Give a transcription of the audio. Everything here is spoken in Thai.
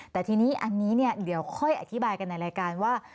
แต่ทีนี้อันนี้เนี่ยเดี๋ยวค่อยอธิบายกันในรายการว่า